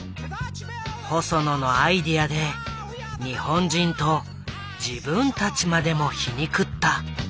細野のアイデアで日本人と自分たちまでも皮肉った。